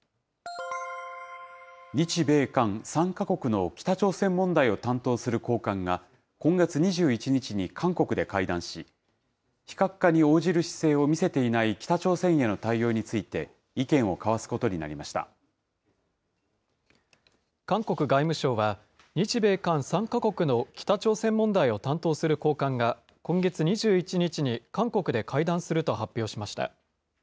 日米韓３か国の北朝鮮問題を担当する高官が、今月２１日に韓国で会談し、非核化に応じる姿勢を見せていない北朝鮮への対応について意見を韓国外務省は、日米韓３か国の北朝鮮問題を担当する高官が、今月２１日に韓国で会談すると発表しました。